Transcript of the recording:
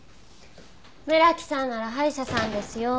村木さんなら歯医者さんですよ。